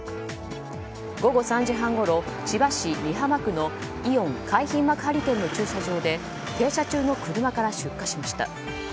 午後３時半ごろ千葉市美浜区のイオン海浜幕張店の駐車場で停車中の車から出火しました。